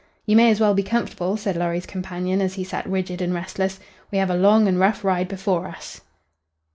"You may as well be comfortable," said Lorry's companion, as he sat rigid and restless. "We have a long and rough ride before us."